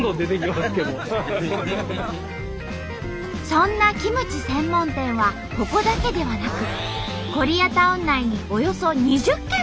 そんなキムチ専門店はここだけではなくコリアタウン内におよそ２０軒もあるんだって。